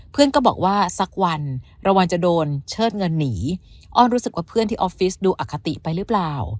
เพื่อนก็บอกว่าสักวันระวังจะโดนเชิดเงินหนีอ้อนรู้สึกว่าเพื่อนที่ออฟฟิศดูอคติไปหรือเปล่า